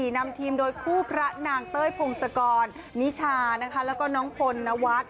นำทีมโดยคู่พระนางเต้ยพงศกรนิชานะคะแล้วก็น้องพลนวัฒน์